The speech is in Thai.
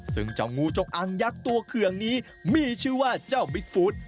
ซึ่งเจ้างูจงอังยักษ์ตัวเคืองนี้มีชื่อว่าเจ้าบิ๊กฟู้ด